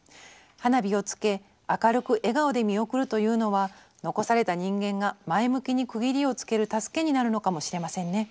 花火をつけ明るく笑顔で見送るというのは残された人間が前向きに区切りをつける助けになるのかもしれませんね。